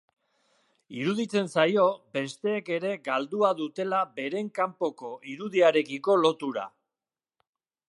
Iruditzen zaio besteek ere galdua dutela beren kanpoko irudiarekiko lotura.